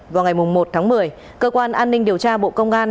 vào ngày một tháng một mươi cơ quan an ninh điều tra bộ công an